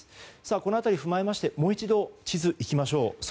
この辺り踏まえましてもう一度地図にいきましょう。